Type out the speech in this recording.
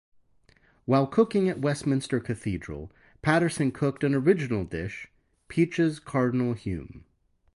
While cooking at Westminster Cathedral, Paterson cooked an original dish, "Peaches Cardinal Hume".